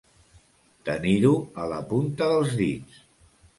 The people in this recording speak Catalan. Tenir-ho a la punta dels dits.